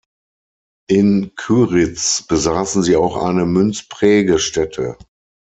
In Kyritz besaßen sie auch eine Münzprägestätte.